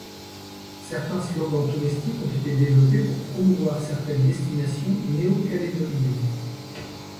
Certains slogans touristiques ont été développés pour promouvoir certaines destinations néo-calédoniennes.